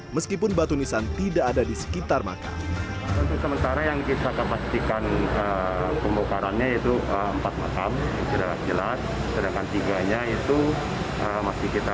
meskipun batu nisan tidak ada di sekitar makam